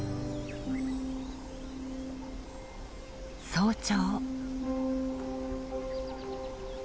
早朝。